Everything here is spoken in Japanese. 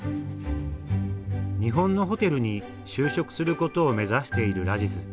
日本のホテルに就職することを目指しているラジズ。